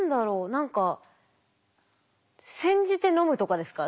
何か煎じて飲むとかですか？